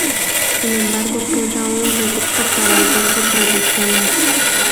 Sin embargo quedaba un reducto para el verso tradicional.